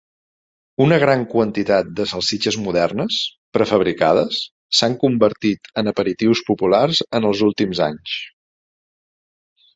Una gran quantitat de salsitxes modernes, prefabricades, s'han convertit en aperitius populars en els últims anys.